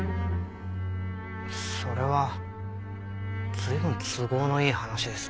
それは随分都合のいい話ですね。